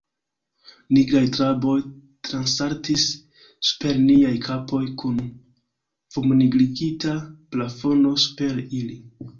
Nigraj traboj transsaltis super niaj kapoj, kun fumnigrigita plafono super ili...